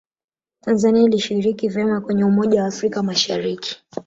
tanzania ilishiriki vema kwenye umoja wa afrika mashariki